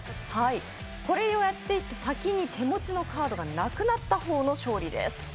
これをやって、先に手持ちのカードがなくなった方の勝利です。